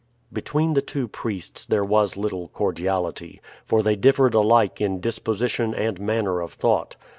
Between the two priests there was little cordiality, for they differed alike in disposition and manner of thought.